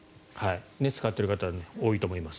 使っている方多いと思います。